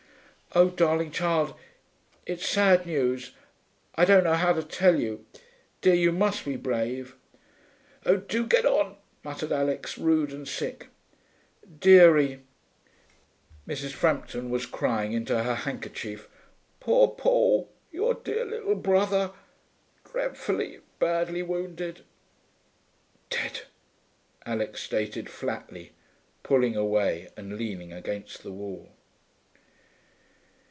'Oh, darling child, it's sad news.... I don't know how to tell you.... Dear, you must be brave....' 'Oh, do get on,' muttered Alix, rude and sick. 'Dearie,' Mrs. Frampton was crying into her handkerchief. 'Poor Paul ... your dear little brother ... dreadfully, badly wounded....' 'Dead,' Alix stated flatly, pulling away and leaning against the wall.